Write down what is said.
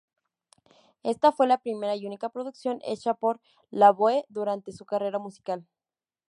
Esta fue la primera y única producción hecha por Lavoe durante su carrera musical.